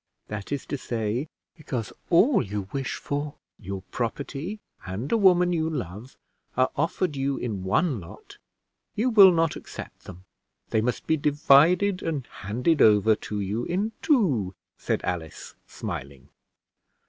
"That is to say, because all you wish for, your property and a woman you love, are offered you in one lot, you will not accept them; they must be divided, and handed over to you in two!" said Alice, smiling.